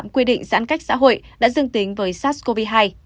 quy định giãn cách xã hội đã dừng tính với sars cov hai